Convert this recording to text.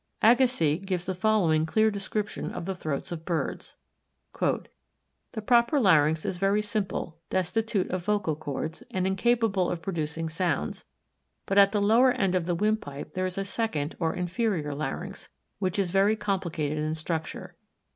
Agassiz gives the following clear description of the throats of birds: "The proper larynx is very simple, destitute of vocal chords, and incapable of producing sounds; but at the lower end of the windpipe there is a second or inferior larynx, which is very complicated in structure.